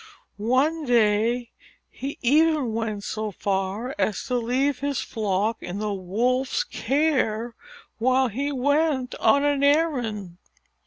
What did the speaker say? One day he even went so far as to leave his flock in the Wolf's care while he went on an errand.